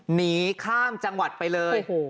หนีข้ามจังหวัดไปเลย